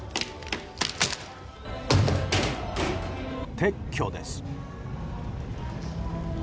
撤去です。